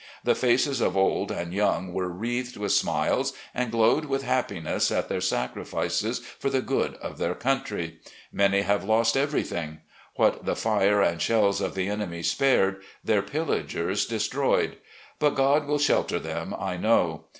The faces of old and young were wreathed with smiles, and glowed with happiness at their sacrifices for the good of their country. Many have lost everything. What the fire and shells of the enemy spared, their pillagers de stroyed. But God wiU shelter them, I know.